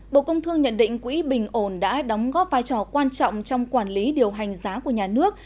bộ công thương nhận định quỹ bình ổn đã đóng góp vai trò quan trọng trong quản lý điều hành giá của nhà nước